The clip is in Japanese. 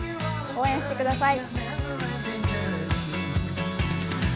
応援してください。